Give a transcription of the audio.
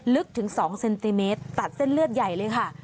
ลึกถึง๒เซนติเมตรตัดเส้นเลือดใหญ่เลยค่ะ